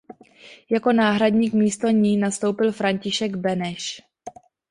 Jako náhradník místo ní nastoupil František Beneš.